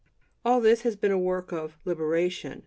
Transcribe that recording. All this has been a work of "liberation."